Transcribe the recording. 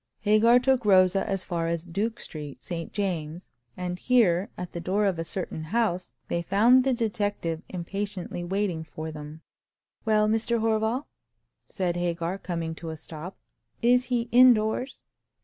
Hagar took Rosa as far as Duke Street, St James's, and here, at the door of a certain house, they found the detective impatiently waiting for them. "Well, Mr. Horval," said Hagar, coming to a stop, "is he indoors?"